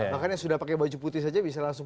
makanya sudah pakai baju putih saja bisa langsung